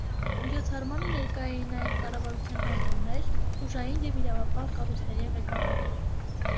Միջոցառմանը ներկա էին նաև կառավարության անդամներ, ուժային և իրավապահ կառույցների ղեկավարներ։